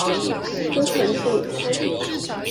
揪團吃午餐